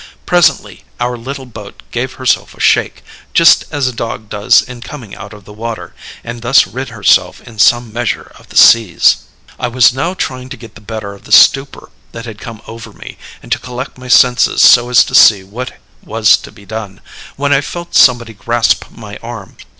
Presently our little boat gave herself a shake, just as a dog does in coming out of the water, and thus rid herself in some measure of the seas. "I was now trying to get the better of the stupor that had come over me, and to collect my senses so as to see what was to be done, when I felt somebody grasp my arm.